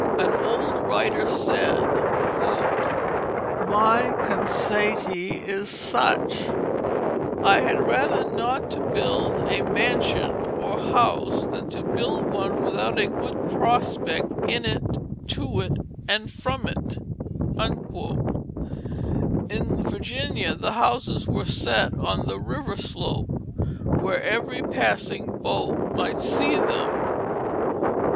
An old writer said: "My consayte is such; I had rather not to builde a mansyon or a house than to builde one without a good prospect in it, to it, and from it." In Virginia the houses were set on the river slope, where every passing boat might see them.